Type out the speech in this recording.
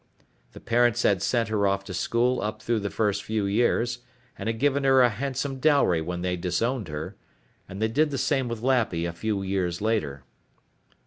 The parents had sent her off to school up through the first few years, and had given her a handsome dowry when they disowned her, and they did the same with Lappy a few years later.